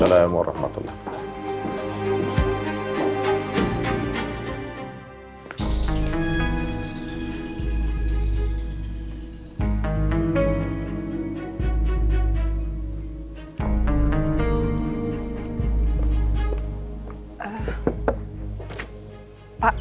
waalaikumsalam warahmatullahi wabarakatuh